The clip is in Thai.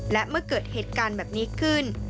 และเมื่อเกิดเหตุการณ์แบบนี้ขึ้น